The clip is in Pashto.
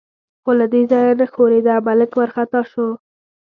خو له دې ځایه نه ښورېده، ملک وارخطا شو.